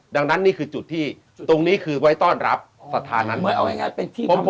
ดังนั้นนี่คือจุดที่จุดที่ตรงนี้คือไว้ต้อนรับศรัทธานั้นเอาอย่างงี้เป็นที่